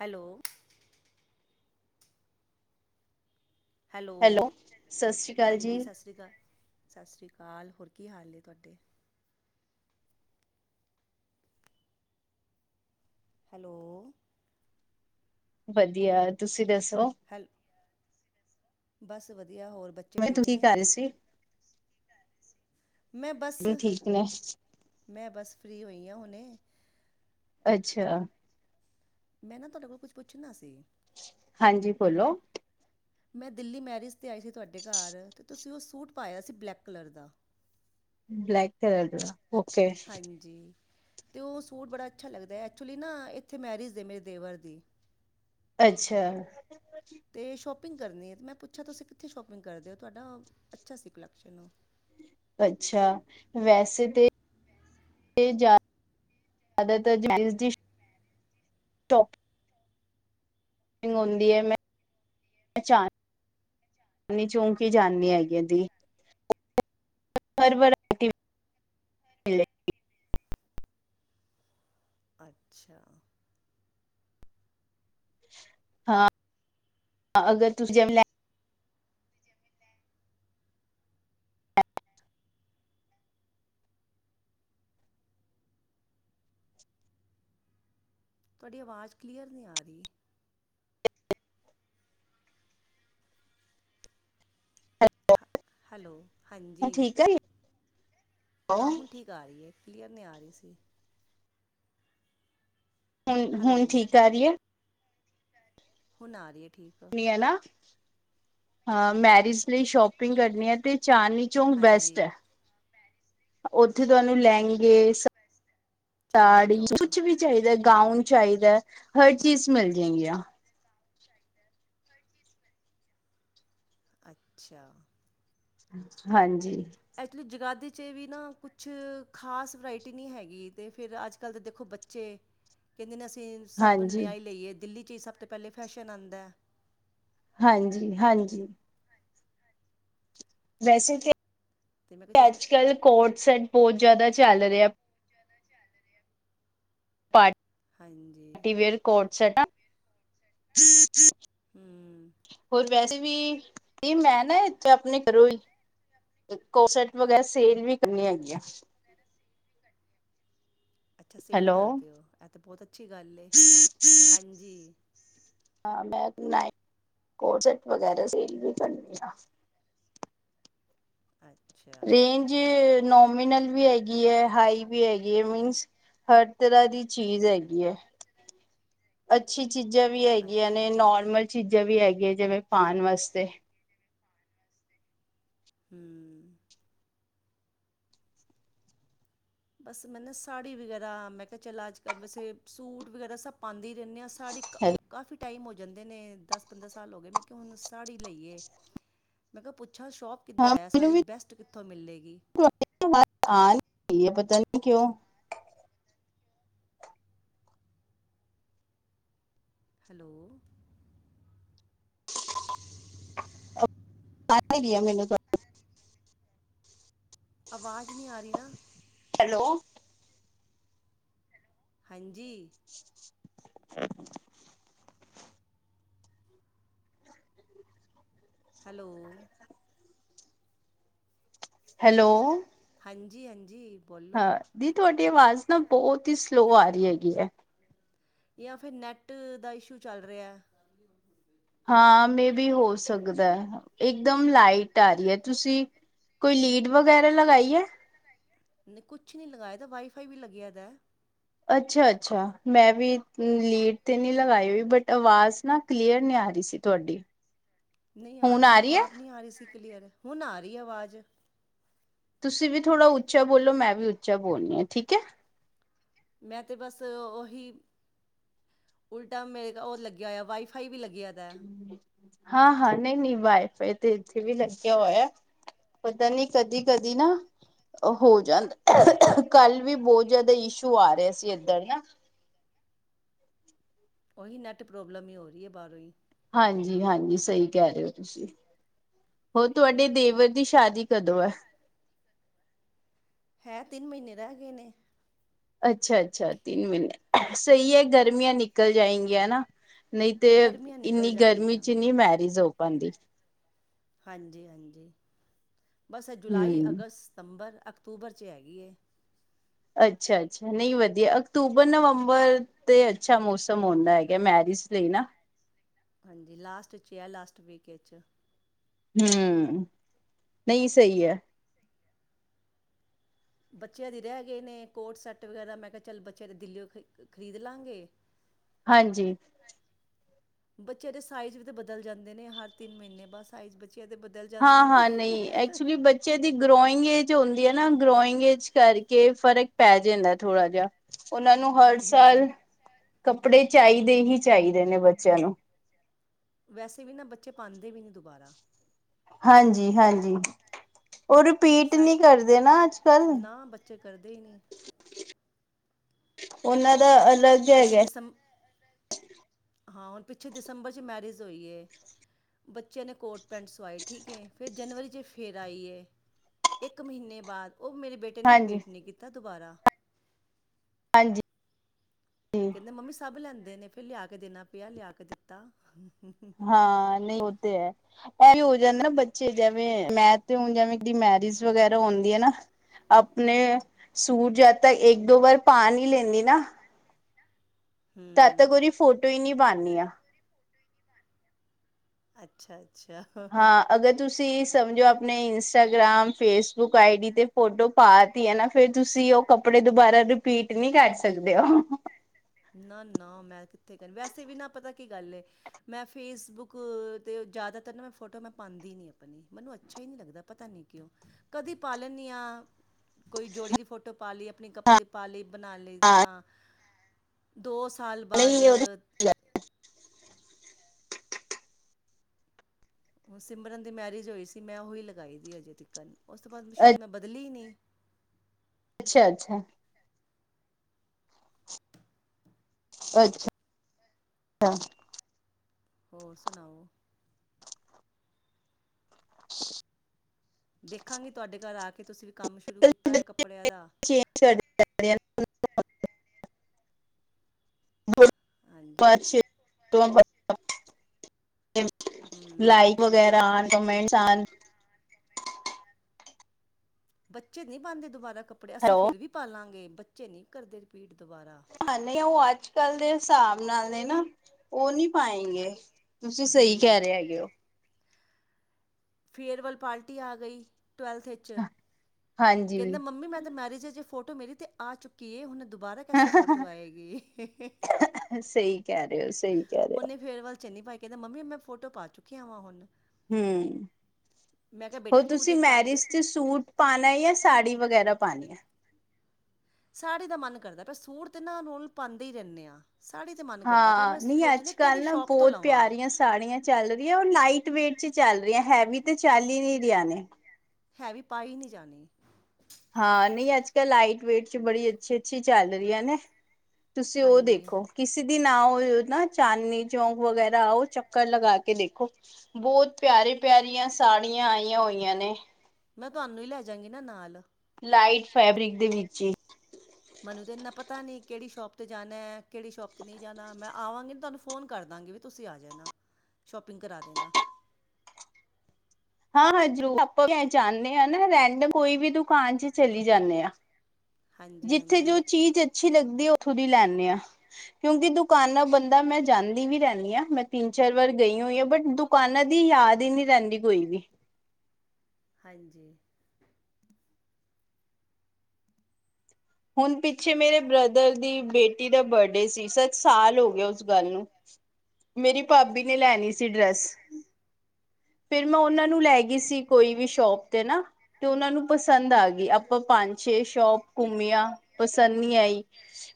Hello. Hello ਸਤਿ ਸ੍ਰੀ ਅਕਾਲ ਜੀ। ਹਾਂਜੀ ਸਤਿ ਸ਼੍ਰੀ ਅਕਾਲ। ਸਾਸਰੀ ਕਾਲ ਹੋਰ ਕੀ ਹਾਲ ਏ ਤੁਹਾਡੇ? ਹੈਲੋ ਵਧੀਆ ਤੁਸੀਂ ਦੱਸੋ? ਹੈਲੋ। ਬਸ ਵਧੀਆ ਹੋਰ ਬੱਚੇ ਮੈਂ ਠੀਕ ਤੁਸੀਂ ਨੇ? ਕਰ ਰਹੇ ਸੀ, ਮੈਂ ਬੱਸ ਠੀਕ ਨੇ ਮੈਂ ਬੱਸ ਫਰੀ ਹੋਈ ਆ ਹੁਣੇ। ਅੱਛਾ- ਮੈਂ ਨਾ ਤੁਹਾਡੇ ਕੋਲ ਕੁੱਛ ਪੁੱਛਣਾ ਸੀ। ਹਾਂਜੀ ਬੋਲੋ। ਮੈਂ ਦਿੱਲੀ ਮੈਰਿਜ 'ਤੇ ਆਈ ਸੀ ਤੁਹਾਡੇ ਘਰ ਅਤੇ ਤੁਸੀਂ ਉਹ ਸੂਟ ਪਾਇਆ ਸੀ ਬਲੈਕ ਕਲਰ ਦਾ। ਬਲੈਕ ਕਲਰ ਦਾ ਓਕੇ ਹਾਂਜੀ ਅਤੇ ਉਹ ਸੂਟ ਬੜਾ ਅੱਛਾ ਲੱਗਦਾ ਐਕਚੁਲੀ ਨਾ ਇੱਥੇ ਮੈਰਿਜ ਐ ਮੇਰੇ ਦੇਵਰ ਦੀ। ਅੱਛਾ ਤੇ ਸ਼ੋਪਿੰਗ ਕਰਨੀ ਹੈ ਅਤੇ ਮੈਂ ਪੁੱਛਿਆ ਤੁਸੀਂ ਕਿੱਥੇ ਸ਼ੋਪਿੰਗ ਕਰਦੇ ਹੋ ਤੁਹਾਡਾ ਅੱਛਾ ਸੀ ਕੁਲੈਕਸ਼ਨ ਸੀ। ਅੱਛਾ ਵੈਸੇ ਤੇ [inaudible] [inaudible] [inaudible] ਚੂੰਕੀ ਜਾਨੀ ਹੈਗੀ ਆ ਦੀ [unintelligible] ਮਿਲੇ ਅੱਛਾ। ਹਾਂ ਅਗਰ ਤੁ [unintelligible] ਤੁਹਾਡੀ ਆਵਾਜ਼ ਕਲੀਅਰ ਨੀ ਆ ਰਈ। ਹੈਲੋ ਹੁਣ ਹਾਂਜੀ। ਠੀਕ ਆ ਰਹੀ ਹਾਂ ਹੁਣ ਠੀਕ ਆ ਰਹੀ ਐ ਕਲੀਅਰ ਨੀ ਆ ਰਈ ਸੀ। ਹੈਲੋ ਹੁਣ ਠੀਕ ਆ ਰਹੀ ਹੈ? ਹੁਨ ਆ ਰਈ ਐ ਠੀਕ। ਹੈਨਾ। ਹਾਂ ਮੈਰਿਜ਼ ਲਈ ਸ਼ੋਪਿੰਗ ਕਰਨੀ ਐ ਤੇ ਚਾਰਨੀ ਚੌਂਕ ਬੈਸਟ ਹਾਂਜੀ ਐ। ਓਥੇ ਤੁਆਨੂੰ ਲਹਿੰਗੇ ਚਾਂਦਨੀ ਸਾੜੀ ਚੌਕ ਕੁਛ ਵੀ ਚਾਈਦਾ ਗਾਊਨ ਚਾਈਦਾ ਹਰ ਚੀਜ਼ ਮਿਲ ਜਾਏਗੀ ਆ। ਹਰ ਚੀਜ਼ ਅੱਛਾ। ਹਾਂਜੀ। ਐਕਚੁਲੀ ਜਗਾਦੇ 'ਚ ਵੀ ਨਾ ਕੁਛ ਖ਼ਾਸ ਵਰਾਇਟੀ ਨਹੀਂ ਹੈਗੀ, ਤੇ ਫਿਰ ਅੱਜ ਕੱਲ ਦੇ ਦੇਖੋ ਬੱਚੇ। ਕਹਿੰਦੇ ਨੇ ਅਸੀਂ ਸਭ ਹਾਂਜੀ ਨਿਆਂ ਹੀ ਲਈਏ, ਦਿੱਲੀ ਚ ਹੀ ਸਭ ਤੋਂ ਪਹਿਲੇ ਫੈਸ਼ਨ ਆਉਂਦਾ ਏ। ਹਾਂਜੀ- ਹਾਂਜੀ। ਵੈਸੇ ਅਤੇ ਮੈਂ ਕਿਹਾ ਤਾਂ ਚੱਲ ਅੱਜ ਕੱਲ ਕੋਡ ਸੈਟ ਬਹੁਤ ਜ਼ਿਆਦਾ ਚੱਲ ਰਿਹਾ ਆ। ਹਾਂਜੀ। Party wear coord set. ਹੂੰ। ਹੋਰ ਵੈਸੇ ਵੀ, ਕੀ ਮੈਂ ਨਾ ਇਥੇ ਆਪਣੇ ਕਰੋਂ ਹੀ। ਕੋਸੇਟ ਵਗੈਰਾ ਸੇਲ ਵੀ ਕਰਨੀ ਹੈਗੀ ਆਂ। ਇਥੇ ਸੇਲ ਹੈਲੋ ਕਰਦੇ ਹੋ? ਅ- ਤੇ ਬਹੁਤ ਅੱਛੀ ਗੱਲ ਹੈ, ਹਾਂਜੀ। ਹਾਂ ਮੈਂ ਨ ਕੋਟ ਸੈਟ ਵਗੈਰਾ ਸੇਲ ਵੀ ਕਰਨੀ ਅੱਛਾ। ਜੇ ਨੋਮੀਨਲ ਵੀ ਹੈਗੀ ਹੈ, ਹਾਈ ਵੀ ਹੈਗੀ ਹੈ ਮੀਨਸ। ਹਰ ਤਰਾਂ ਦੀ ਚੀਜ਼ ਹੈਗੀ ਹੈ। ਅੱਛੀ ਚੀਜ਼ਾਂ ਵੀ ਹੈਗੀਆਂ ਅੱਛਾ ਨੇ, ਅੱਛਾ ਨੋਰਮਲ ਚੀਜ਼ਾਂ ਵੀ ਹੈਗੀਆਂ ਜਿਵੇਂ ਪਾਣ ਵਾਸਤੇ। ਹੂੰ, ਬਸ ਮੈਂ ਨਾ ਸ ਸਾੜੀ ਵਗੈਰਾ, ਮੈਂ ਕਿਹਾ ਚੱਲ ਅੱਜ ਕੱਲ ਵੈਸੇ ਸੂਟ ਵਗੈਰਾ ਸਭ ਪਾਉਂਦੀ ਰਹਿੰਦੇ ਹਾਂ, ਸਾਰੀ ਕ ਹਾਂ ਕਾਫੀ। ਟਾਈਮ ਹੋ ਜਾਂਦੇ ਨੇ, ਦਸ- ਪੰਦਰਾਂ ਸਾਲ ਹੋ ਗਏ ਮੈਂ ਕਿਹਾ ਹੁਣ ਸਾੜੀ ਲਈਏ। ਮੈਂ ਕਿਹਾ ਪੁੱਛਾ ਸ਼ੋਪ ਕਿੱਧਰ ਹੈ, ਮੈਨੂੰ ਸਾੜੀ ਵੀ ਬੈਸਟ ਕਿੱਥੋਂ ਮਿਲੇਗੀ। ਤੁਹਾਡੀ ਆ ਨੀ ਰੀ ਹੈ ਪਤਾ ਨੀ ਕਿਉਂ? ਹੈਲੋ, ਸ ਹੀ ਵੀ [unintelligible] ਗੇਆ ਮੈਨੂੰ ਲੱਗਦਾ। ਆਵਾਜ਼ ਨਹੀਂ ਆ ਰਹੀ ਨਾ। ਹੈਲੋ। ਹਾਂਜੀ। ਅੱ [inaudible] ਹੈਲੋ, ਹੈਲੋ, ਹਾਂਜੀ- ਹਾਂਜੀ। ਬੋਲੋ ਹਾਂ ਦੀ ਤੁਹਾਡੀ ਆਵਾਜ਼ ਨਾ ਬਹੁਤ ਹੀ ਸਲੋ ਆ ਰਹੀ ਹੈਗੀ ਹੈ। ਜਾਂ ਫੇਰ ਨੈੱਟ ਦਾ ਇਸ਼ੂ ਚੱਲ ਰਿਹਾ। ਹਾਂ ਮੇ ਬੀ ਹੋ ਸਕਦਾ, ਇੱਕਦਮ ਲਾਈਟ ਆ ਰਹੀ ਹੈ, ਤੁਸੀਂ। ਕੋਈ ਲੀਡ ਵਗੈਰਾ ਲਗਾਾਈ ਹੈ। ਨਹੀਂ ਕੁਛ ਨਹੀਂ ਲਗਾਇਆ ਤਾਂ ਵਾਈ ਫਾਈ ਵੀ ਲੱਗੇਆ ਦਾ ਹੈ। ਅੱਛਾ- ਅੱਛਾ ਮੈਂ ਵੀ ਲੀਡ ਤੇ ਨਹੀਂ ਲਗਾਈ ਹੋਈ ਬਟ ਆਵਾਜ਼ ਨਾ ਕਲੀਅਰ ਨਹੀਂ ਆ ਰਹੀ ਸੀ ਤੁਹਾਡੀ। ਨਹੀਂ ਆ ਰਹੀ ਸੀ, ਮੈਨੂੰ ਆਪ ਨਹੀਂ ਆ ਰਹੀ ਸੀ ਕਲੀਅਰ, ਹੁਣ ਆ ਰਹੀ ਆਵਾਜ਼। ਤੁਸੀਂ ਵੀ ਥੋੜਾ ਉੱਚਾ ਬੋਲੋ, ਮੈਂ ਵੀ ਉੱਚਾ ਬੋਲਣੀ ਹਾਂ ਠੀਕ ਹੈ। ਮੈਂ ਤੇ ਬਸ ਓਹੀ। ਉਲਟਾ ਮੇਰੇ ਹੋਰ ਲੱਗਿਆ ਹੋਇਆ ਵਾਈ ਫਾਈ ਵੀ ਲੱਗਿਆ। ਦਾ ਹਾਂ- ਹਾਂ ਨਹੀਂ- ਨਹੀਂ ਬਾਈ ਫਾਈ ਤੇ ਇੱਥੇ ਵੀ ਲੱਗਿਆ ਹੋਇਆ। ਪਤਾ ਨੀ, ਕਦੀ- ਕਦੀ ਨਾ ਹੋ ਜਾਂਦਾ, ਕੱਲ ਵੀ ਬਹੁਤ ਜਿਆਦਾ ਇਸ਼ੂ ਆ ਰਿਹਾ ਸੀ ਏਧਰ ਨਾ ਉਹੀ ਨੈੱਟ ਪ੍ਰੋਬਲਮ ਹੀ ਹੋ ਰਹੀ ਹੈ ਬਾਹਰੋਂ ਹੀ ਹਾਂਜੀ- ਹਾਂਜੀ ਸਹੀ ਕਹਿ ਰਹੇ ਹੋ ਤੁਸੀਂ ਹੋਰ ਤੁਹਾਡੇ ਦੇਵਰ ਦੀ ਸ਼ਾਦੀ ਕਦੋਂ ਹੈ ਹੈ, ਤਿੰਨ ਮਹੀਨੇ ਰਹਿ ਗਏ ਨੇ ਅੱਛਾ- ਅੱਛਾ ਤਿੰਨ ਮਹੀਨੇ, ਸਹੀ ਹੈ ਗਰਮੀਆਂ ਨਿਕਲ ਜਾਏਗੀਆਂ ਨਾ ਨਹੀਂ ਤੇ ਗਰਮੀਆਂ ਇੰਨੀ ਨਿਕਲ ਗਰਮੀ ਜਾਣਗੀਆਂ 'ਚ ਨਹੀਂ ਮੈਰਿਜ ਹੋ ਪਾਉਂਦੀ। ਹਾਂਜੀ -ਹਾਂਜੀ, ਬਸ ਇਹ ਜੁਲਾਈ, ਹੂੰ। ਅਗਸਤ, ਸਤੰਬਰ, ਅਕਤੂਬਰ 'ਚ ਹੈਗੀ ਹੈ। ਅੱਛਾ- ਅੱਛਾ, ਨਹੀਂ ਵਧੀਆ। ਅਕਤੂਬਰ, ਨਵੰਬਰ ਤੇ ਅੱਛਾ ਮੌਸਮ ਹੁੰਦਾ ਹੈਗਾ ਮੈਰਿਜ ਲਈ ਨਾ। ਹਾਂਜੀ ਲਾਸਟ 'ਚ ਹੈ, ਲਾਸਟ ਵੀਕੇ 'ਚ। ਹੂੰ, ਨਹੀਂ ਸਹੀ ਹੈ। ਬੱਚਿਆਂ ਦੀ ਰਹਿ ਗਏ ਨੇ, ਕੋਟ ਸੈੱਟ ਵਗੈਰਾ ਮੈਂ ਕਿਹਾ ਚੱਲ ਬੱਚਿਆਂ ਦੀ ਦਿੱਲੀਓ ਖ ਖਰੀਦ ਲਾਂਗੇ ਹਾਂਜੀ। ਬੱਚਿਆਂ ਦੇ ਸਾਈਜ਼ ਵੀ ਤਾ ਬਦਲ ਜਾਂਦੇ ਨੇ, ਹਰ ਤਿੰਨ ਮਹੀਨੇ ਬਾਅਦ ਸਾਈਜ਼ ਬੱਚਿਆਂ ਦੇ ਬਦ ਹਾਂ-ਹਾਂ ਨਹੀਂ, ਐਕਚੁਲੀ ਬ ਬੱਚਿਆ ਦੀ ਗਰੋਇੰਗ ਏਜ ਹੋਂਦੀ ਐ ਨਾ, ਗਰੋਇੰਗ ਏਜ ਕਰਕੇ ਫਰਕ ਪੈ ਜੇਂਦਾ ਥੋਰਾ ਜਿਹਾ। ਉਨ੍ਹਾਂ ਨੂੰ ਹੜ ਸਾਲ, ਕੱਪੜੇ ਚਾਹੀਦੇ ਹੀ ਚਾਹੀਦੇ ਨੇ ਬੱਚਿਆਂ ਨੂੰ। ਨੂੰ ਵੈਸੇ ਵੀ ਨਾ, ਬੱਚੇ ਪਾਂਦੇ ਵੀ ਨਹੀਂ ਦੁਬਾਰਾ। ਹਾਂਜੀ-ਹਾਂਜੀ। ਓ ਰਿਪੀਟ ਸਾਈ ਨੀ ਕਰਦੇ ਨਾ, ਅੱਜ -ਕਲ। ਨਾ ਬੱਚੇ ਕਰਦੇ ਹੀ ਨਹੀਂ ਉਨ੍ਹਾਂ ਦਾ ਅਲੱਗ ਇੱਥੇ ਹੈਗਾ ਦਿਸੰਮ, ਹਾਂ ਣ ਪਿੱਛੇ ਦਸੰਬਰ 'ਚ ਮੈਰਿਜ ਹੋਈ ਏ ਬੱਚਿਆਂ ਨੇ ਕੋਟ ਪੈਂਟ ਸਵਾਏ, ਠੀਕ ਏ, ਫਿਰ ਜਨਵਰੀ 'ਚ ਫਿਰ ਆਈ ਏ। ਇੱਕ ਮਹੀਨੇ ਬਾਅਦ, ਉਹ ਮੇਰੇ ਬੇਟੇ ਨੇ ਹਾਂਜੀ ਰਿਪੀਟ ਨੀ ਕੀਤਾ ਦੁਬਾਰਾ। ਹਾਂਜੀ ਕਹਿੰਦੇ ਮੰਮੀ ਸਭ ਲੈਂਦੇ ਨੇ, ਫਿਰ ਲਿਆ ਕੇ ਦੇਨਾ ਪਿਆ, ਲਿਆ ਕੇ ਦਿੱਤਾ। ਹਾਂ, ਨਈ ਓਤੇ ਐ ਐ ਵੀ ਔ ਜਾਂਦੇ ਨਾ ਬੱਚੇ ਜੈਵੇਂ, ਮੈਤੇ ਹੁਣ ਜੈਵੇਂ ਕਿ ਮੈਰਿਜ ਵਗੈਰਾ ਹੋਂਦੀ ਐ ਨਾ ਆਪਣੇ, ਸੂਟ ਜਾਤਾ ਏਕ ਦੋ ਵਾਰ ਪਾ ਨੀ ਲੈਂਦੀ ਨਾ ਤੱਦ ਹੂੰ ਤਕ ਓਦੀ ਫੋਟੋ ਈ ਨੀ ਬਾਨਨੀਆ। ਅੱਛਾ-ਅੱਛਾ ਹਾਂ, ਅਗਰ ਤੁਸੀਂ ਸਮਝੋ ਆਪਣੇ ਇੰਸਟਾਗ੍ਰਾਮ, ਫੇਸਬੁੱਕ ਆਈ ਡੀ ਤੇ ਫੋਟੋ ਪਾ ਤੀ ਐ ਨਾ, ਫਿਰ ਤੁਸੀਂ ਉਹ ਕੱਪੜੇ ਦੁਬਾਰਾ ਰਿਪੀਟ ਨੀ ਕਰ ਸਕਦੇ ਓ। ਨਾ-ਨਾ ਮੈਂ ਕਿੱਥੇ ਕਰੀ, ਵੈਸੇ ਵੀ ਨਾ ਪਤਾ ਕੀ ਗੱਲ ਏ ਮੈਂ ਫੇਸਬੁੱਕ 'ਤੇ, ਜ਼ਿਆਦਾਤਰ ਨਾ ਮੈਂ ਫੋਟੋ ਮੈਂ ਪਾਂਦੀ ਨੀ ਅਪਣੀ, ਮੰਨੂ ਅੱਛਾ ਈ ਨੀ ਲੱਗਦਾ। ਪਤਾ ਨਹੀਂ ਕਿਉਂ, ਕਦੇ ਪਾ ਲੈਨੀਆ, ਕੋਈ ਜੋੜੀ ਦੀ ਫੋਟੋ ਪਾ ਲੀ ਅਪਣੀ ਕਪਲ ਦੀ ਪਾ-ਲਈ ਬਣਾ-ਲਈ ਹਾਂ ਤਾਂ, ਦੋ ਸਾਲ ਬਾਅਦ ਨਹੀਂ ਉਹ ਹੁ ਸਿਮਰਨ ਦੀ ਮੈਰਿਜ ਹੋਈ ਸੀ ਮੈਂ ਉਹੀ ਲਗਾਈ ਤੀ ਅਜੇ ਤੀਕਨ, ਉਸ ਤੋਂ ਬਾਅਦ ਸ਼ਾਇਦ ਮੈਂ ਬਦਲੀ ਨੀ। ਅੱਛਾ-ਅੱਛਾ। ਅੱਛਾ, ਆ ਹੋਰ ਸਣਾਓ? [inaudible] ਦੇਖਾਂਗੀ ਤੁਹਾਡੇ ਘਰ ਆ ਕੇ ਤੁਸੀਂ ਵੀ ਕੰਮ ਸ਼ੁਰੂ ਕੀਤਾ ਐ ਕੱਪੜਿਆਂ ਦਾ। [inaudible] [inaudible] [unintelligible] ਹਾਂਜੀ ਲਾਈਕ ਹੂੰ ਵਗੈਰਾ ਆਨ ਕਮੈਂਟਸ ਆਨ। ਬੱਚੇ ਨ੍ਹੀਂ ਪਾਂਦੇ ਦੁਬਾਰਾ ਕੱਪੜੇ ਅਸੀਂ ਹੈਲੋ ਫਿਰ ਵੀ ਪਾਲਾਂਗੇ ਬੱਚੇ ਨ੍ਹੀਂ ਕਰਦੇ ਰਿਪੀਟ ਦਬਾਰਾ। ਹਾਂ ਨਈ ਓ ਅੱਜ-ਕੱਲ੍ਹ ਦੇ ਸਾਬ ਨਾਲ ਨੇ ਨਾ। ਓ ਨੀ ਪਾਏਂਗੇ, ਤੁਸੀਂ ਸਈ ਹੂੰ ਕਹਿ ਰਹੇ ਹੈਗੇ ਓ। ਫੇਅਰਵੈੱਲ ਪਾਰਟੀ ਆ ਗਈ ਟਵੈਲਥ ਵਿੱਚ ਕਹਿੰਦਾ ਹਾਂਜੀ ਮੰਮੀ ਮੈਂ ਤਾ ਮੈਰਿਜ ਜ ਫੋਟੋ ਮੇਰੀ ਤੇ ਆ ਚੁੱਕੀ ਏ ਹੁਣ ਦੁਬਾਰਾ ਪੈਸੇ ਫੋਟੋ ਆਏਗੀ, ਸਹੀ ਕਹਿ ਰਹੇ ਹੋ ਸਹੀ ਕਹਿ ਰਹੇ ਹੋ ਉਨ੍ਹੇ ਫੇਰਵਲ ਚ ਨੀ ਪਾਈ। ਕੇਂਦਾ ਮੰਮੀ ਮੈਂ ਫੋਟੋ ਪਾ ਚੁੱਕਿਆ ਵਾ ਹੁਨ ਹਂ, ਹੋਰ ਤੂੰ ਤੁਸੀਂ ਤੇ ਕੱਦ ਮੈਰਿਜ ਚ ਸੂਟ ਪਾਨਾ ਯਾ ਸਾੜੀ ਵਗੈਰਾ ਪਾਨੀ ਐ? ਸਾੜੀ ਦਾ ਮਨ ਕਰਦਾ ਪਿਆ, ਸੂਟ ਤੇ ਨਾ ਰੋਲ ਪਾਂਦੇ ਈ ਰਹਿੰਨੇ ਆ। ਸਾੜੀ ਤੇ ਮਨ ਕਰਦਾ ਪਿਆ ਹਾਂ ਮੈਂ ਨਹੀਂ ਸੋਚਨੀ ਅੱਜ ਕਿਹੜੀ ਕੱਲ੍ਹ ਨਾ ਸੋ਼ਪ ਤੋਂ ਬਹੁਤ ਲਵਾਂ। ਪਿਆਰੀਆਂ ਸਾੜੀਆਂ ਚੱਲ ਰਈਆਂ ਉਹ ਲਾਈਟ ਵੇਟ ਚ ਚੱਲ ਰਹੀਆਂ, ਹੈਵੀ ਤੇ ਚੱਲ ਈ ਨਈਂ ਰਈਆਂ ਨੇ। ਹੈਵੀ ਪਾਈ ਨ੍ਹੀਂ ਜਾਨੀ। ਹਾਂ ਨਈਂ ਅੱਜ-ਕੱਲ੍ਹ ਲਾਈਟ ਵੇਟ ਚ ਬੜੀ ਅੱਛੀ-ਅੱਛੀ ਚੱਲ ਰੀਆ ਨੇ। ਤੁਸੀਂ ਓ ਹਾਂਜੀ ਦੇਖੋ ਕਿਸੇ ਦਿਨ ਆਓ ਅ ਨਾ ਚਾਨਨੀ ਚੌਂਕ ਵਗੈਰਾ ਆ ਉਹ ਚੱਕਰ ਲਗਾ ਕੇ ਦੇਖੋ। ਬਹੁਤ ਪਿਆਰੀ, ਪਿਆਰੀਆਂ ਸਾੜੀਆਂ ਆਈਆਂ ਹੋਈਆਂ ਨੇ। ਮੈਂ ਤੁਹਾਨੂੰ ਈ ਲੈ ਜਾਗੀ ਨਾ ਨਾਲ। ਲਾਈਟ ਫੈਬਰਿਕ ਦੇ ਵਿੱਚ ਮੈਨੂੰ ਤੇ ਇੰਨਾ ਪਤਾ ਨੀ ਕਿਹੜੀ ਸ਼ੋਪ ਤੇ ਜਾਣਾ, ਕਿਹੜੀ ਸ਼ੋਪ ਤੇ ਨਈਂ ਜਾਣਾ ਮੈਂ ਆਵਾਂਗੀ ਤੁਹਾਨੂੰ ਫੋਨ ਕਰ ਦਾਂਗੀ। ਤੁਸੀਂ ਆ ਜਾਣਾ ਸ਼ੋਪਿੰਗ ਕਰਾ ਦੇਣਾ। ਹਾਂ ਹਾਂ, ਜ਼ਰੂਰ ਆਪਾਂ ਜਾਣੇ ਆਂ ਨਾ ਰੈਂਟ ਮ ਕੋਈ ਵੀ ਦੁਕਾਨ ਚ ਚਲੀ ਜਾਣੇ ਆਂ। ਹਾਂਜੀ ਜਿੱਥੇ ਜੋ ਹਾਂਜੀ ਚੀਜ਼ ਅੱਛੀ ਲੱਗਦੀ ਉੱਥੋਂ ਦੀ ਲੈ ਆਣੇ ਆਂ। ਕਿਉਂਕਿ ਦੁਕਾਨਾਂ ਬੰਦਾ ਮੈਂ ਜਾਂਦੀ ਵੀ ਰਹਿੰਣੀ ਆਂ, ਮੈਂ ਤਿੰਨ-ਚਾਰ ਵਾਰ ਗਈ ਹੋਈ ਆ ਬਟ ਦੁ ਦੁਕਾਨਾਂ ਦੀ ਯਾਦ ਈ ਨੀਂ ਰਹਿੰਦੀ ਕੋਈ ਵੀ। ਹਾਂਜੀ। ਹੁਣ ਪਿੱਛੇ ਮੇਰੇ ਬ੍ਰਦਰ ਦੀ ਬੇਟੀ ਟੀ ਦਾ ਬਰਡੇ ਸੀ ਸਤ ਸਾਲ ਹੋ ਗਿਆ ਉਸ ਗੱਲ ਨੂੰ ਮੇਰੀ ਭਾਬੀ ਨੇ ਲੈਣੀ ਸੀ ਡਰੈੱਸ ਫਿਰ ਮੈਂ ਉਹਨਾਂ ਨੂੰ ਲੈ ਗਈ ਸੀ ਕੋਈ ਵੀ ਸ਼ੋਪ ਤੇ ਨਾ ਤੇ ਉਹਨਾਂ ਨੂੰ ਪਸੰਦ ਆ ਗਈ ਆਪਾਂ ਪੰਜ-ਛੇ ਸ਼ੋਪ ਘੁੰਮਿਆ ਪਸੰਦ ਨ੍ਹੀਂ ਆਈ।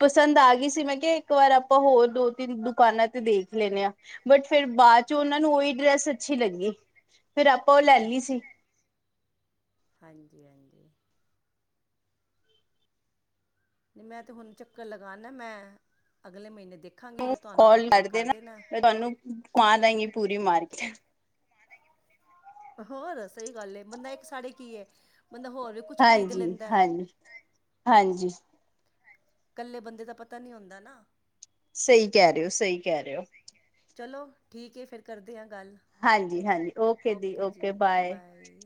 ਪਸੰਦ ਆ ਗਈ ਸੀ ਮੈਂ ਕਿਹਾ ਇੱਕ ਵਾਰ ਆਪਾਂ ਹੋਰ ਦੋ-ਤਿੰਨ ਦੁਕਾਨਾਂ ਤੇ ਦੇਖ ਲੈਂਣੇ ਆਂ। ਬਟ ਫੇਰ ਬਾਅਦ ਚ ਉਹਨਾਂ ਨੂੰ ਉਹੀ ਡਰੈਸ ਅੱਛੀ ਲੱਗੀ ਫੇਰ ਆਪਾਂ ਉਹ ਲੈ ਲਈ ਸੀ। ਹਾਂਜੀ ਹਾਂਜੀ। ਨਈਂ ਮੈਂ ਤੇ ਹੁਣ ਚੱਕਰ ਲਗਾ ਨਾ ਮੈਂ, ਅਗਲੇ ਮਹੀਨੇ ਦੇਖ ਤ ਕਾਲ ਕਰਦੇ ਨਾ, ਤੁਹਾਨੂੰ ਕਮਾ ਦਾਂਗੀ ਪੂਰੀ ਮਾਰਕੇਟ [unintelligible] ਹੋਰ ਸਹੀ ਗੱਲ ਏ, ਬੰਦਾ ਇੱਕ ਸਾਡੇ ਕੀ ਐ ਬੰਦਾ ਹੋਰ ਵੀ ਕੁਛ ਖਰੀਦ ਹਾਂਜੀ ਲੈਂਦਾ। ਹਾਂਜੀ ਹਾਂਜੀ। ਕੱਲੇ ਬੰਦੇ ਦਾ ਪਤਾ ਨਈ ਹੁੰਦਾ ਨਾ। ਸਹੀ ਕਹਿ ਰੇ ਓ ਸਹੀ ਕਹਿ ਰੇ ਓ। ਚਲੋ ਠੀਕ ਆ ਫਿਰ ਕਰਦੇ ਆ ਗੱਲ ਓਕੇ ਜੀ ਬਾਏ।